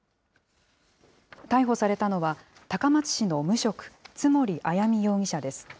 逮捕されたのは、高松市の無職、津守綾美容疑者です。